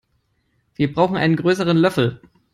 Wir brauchen einen größeren Löffel.